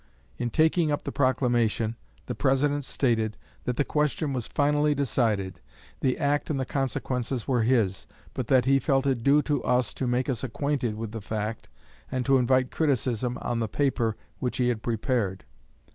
In taking up the Proclamation, the President stated that the question was finally decided, the act and the consequences were his, but that he felt it due to us to make us acquainted with the fact and to invite criticism on the paper which he had prepared.